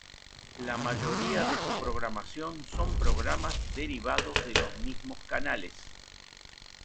La mayoría de su programación son programas derivados de los mismos canales.